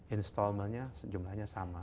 instalmenya jumlahnya sama